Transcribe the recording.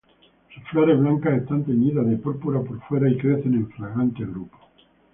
Sus flores blancas están teñidas de púrpura por fuera y crecen en fragantes grupos.